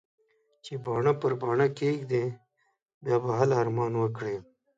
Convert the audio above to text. چې باڼه پر باڼه کېږدې؛ بيا به هله ارمان وکړې.